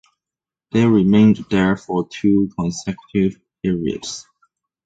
They remained there for two consecutive periods.